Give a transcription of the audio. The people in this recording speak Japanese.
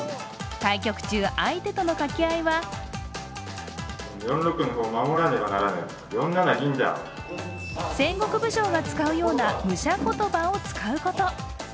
対局中、相手との掛け合いは戦国武将が使うような武者言葉を使うこと。